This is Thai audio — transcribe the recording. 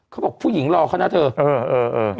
เขาบอกผู้หญิงรอเขานะเธอเออ